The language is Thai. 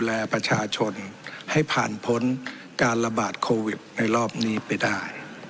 และประชาชนให้ผ่านพ้นการระบาดโควิดในรอบนี้ไปได้